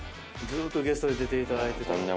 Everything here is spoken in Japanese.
ずーっとゲストで出ていただいてたのに。